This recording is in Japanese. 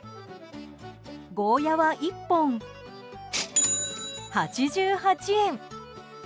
ゴーヤは１本８８円。